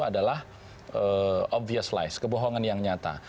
adalah obvious lies kebohongan yang nyata